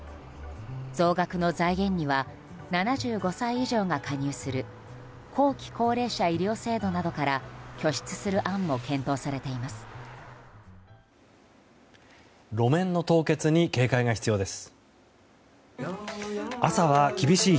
増額の財源には７５歳以上が加入する後期高齢者医療制度などから拠出する案も検討されています。